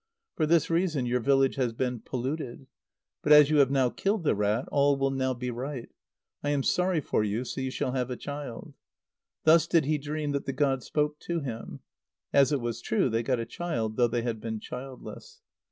For this reason, your village has been polluted. But as you have now killed the rat, all will now be right. I am sorry for you, so you shall have a child." Thus did he dream that the god spoke to him. As it was true, they got a child, though they had been childless.